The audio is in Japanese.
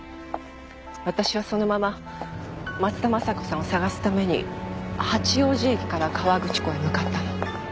私はそのまま松田雅子さんを捜すために八王子駅から河口湖へ向かったの。